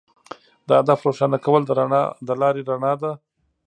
د هدف روښانه کول د لارې رڼا ده.